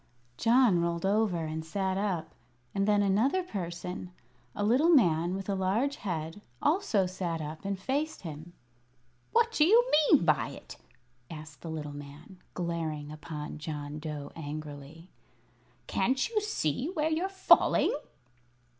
John rolled over and sat up, and then another person a little man with a large head also sat up and faced him. "What do you mean by it?" asked the little man, glaring upon John Dough angrily. "Can't you see where you're falling?"